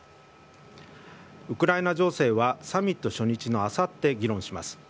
ウクライナ情勢はサミット初日のあさって議論します。